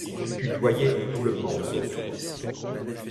Il tutoyait tout le monde.